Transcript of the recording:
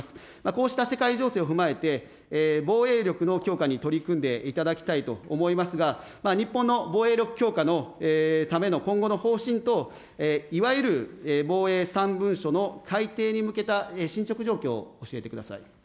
こうした世界情勢を踏まえて、防衛力の強化に取り組んでいただきたいと思いますが、日本の防衛力強化のための今後の方針と、いわゆる防衛三文書の改定に向けた進捗状況を教えてください。